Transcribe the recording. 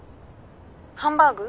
ハンバーグ？